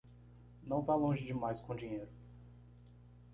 Não vá longe demais com dinheiro